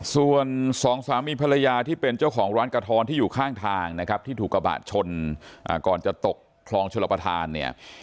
ส่วนสองสามีภรรยาที่เป็นเจ้าของร้านกระท้อนที่อยู่ข้างทางนะครับที่ถูกกระบะชนก่อนจะตกคลองชลประธานเนี่ย